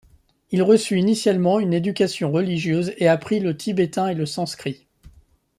Il reçut initialement une éducation religieuse et apprit le tibétain et le sanskrit.